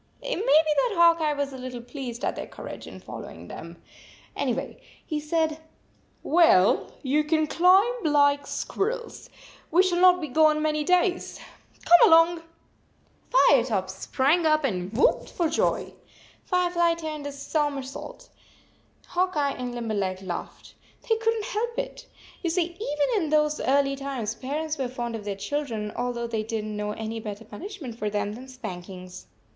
It may be that Hawk Eye was a little pleased at their courage in following them. Anyway, he said: "Well, you can climb like squirrels. We shall not be gone many days. Come along." Firetop sprang up and whooped for joy. Firefly turned a somer sault. Hawk Eye and Limberleg laughed. They couldn t help it You see, even in those early times parents were fond of 55 their children, although they did n t know any better punishment for them than spank ings.